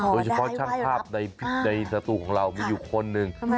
โดยเฉพาะช่างภาพในสตูของเรามีอยู่คนหนึ่ง